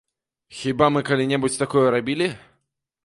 Хіба мы калі-небудзь такое рабілі?